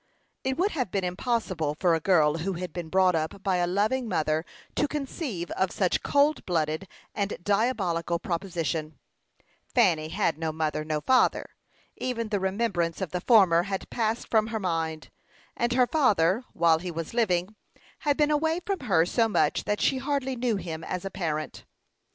It would have been impossible for a girl who had been brought up by a loving mother to conceive of such a cold blooded and diabolical proposition. Fanny had no mother, no father. Even the remembrance of the former had passed from her mind; and her father, while he was living, had been away from her so much that she hardly knew him as a parent.